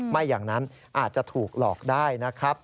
ไม่อย่างนั้นอาจจะถูกหลอกได้นะครับ